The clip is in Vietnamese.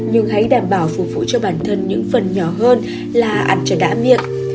nhưng hãy đảm bảo phục vụ cho bản thân những phần nhỏ hơn là ăn cho đã miệng